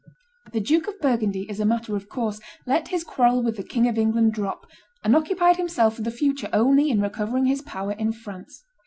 The Duke of Burgundy, as a matter of course, let his quarrel with the King of England drop, and occupied himself for the future only in recovering his power in France.